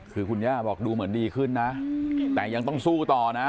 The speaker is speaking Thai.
คือคุณย่าบอกดูเหมือนดีขึ้นนะแต่ยังต้องสู้ต่อนะ